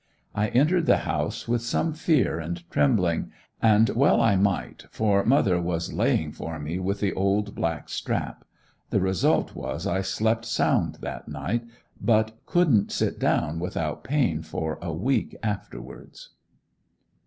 I entered the house with some fear and trembling, and well I might, for mother was "laying" for me with the old black strap. The result was I slept sound that night, but couldn't sit down without pain for a week afterwards.